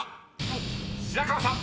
［白河さん］